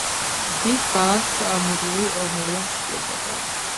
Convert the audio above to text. მის ბალანს მუდმივი მოვლა სჭირდება.